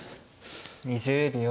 ２０秒。